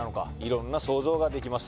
色んな想像ができます